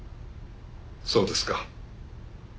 そうですか。